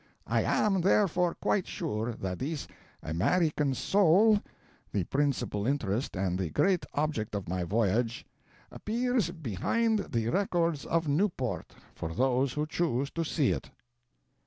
I am therefore quite sure that this 'American soul', the principal interest and the great object of my voyage, appears behind the records of Newport for those who choose to see it."